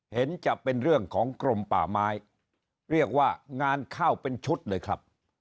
เห็นจะเป็นเรื่องของกรมป่าไม้เรียกว่างานเข้าเป็นชุดเลยครับ